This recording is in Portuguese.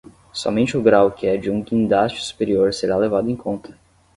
Somente o grau que é de um guindaste superior será levado em conta.